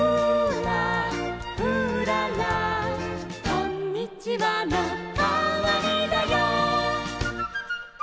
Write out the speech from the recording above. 「こんにちはのかわりだよ」